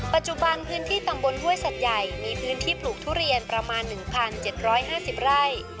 ปัจจุบันพื้นที่ตำบลห้วยสัตว์ใหญ่มีพื้นที่ปลูกทุเรียนประมาณ๑๗๕๐ไร่